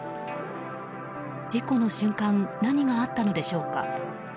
事故の瞬間何があったのでしょうか。